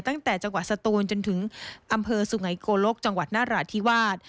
ตั้งแต่จังหวัดสตูนจนถึงอำเภอสุไงโกลกจังหวัดนราธิวาส